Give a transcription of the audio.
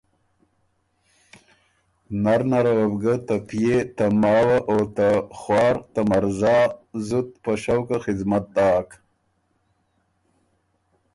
نرنره وه بُو ګۀ ته پئے، ته ماوه، او ته خوار ته مرزا زُت په شوقه خدمت داک۔